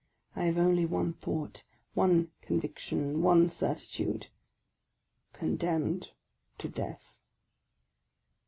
I have only one thought, one conviction, one certitude, — Condemned to death!